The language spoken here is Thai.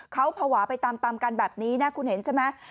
เขาภาวะไปตามกันแบบนี้นะคุณเห็นใช่ไหม